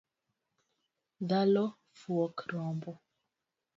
Dhalo fuok rombo